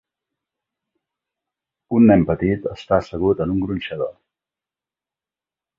Un nen petit està assegut en un gronxador.